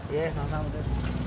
iya sama sama nur